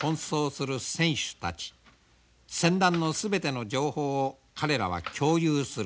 船団の全ての情報を彼らは共有する。